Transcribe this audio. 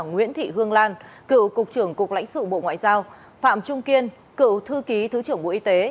nguyễn thị hương lan cựu cục trưởng cục lãnh sự bộ ngoại giao phạm trung kiên cựu thư ký thứ trưởng bộ y tế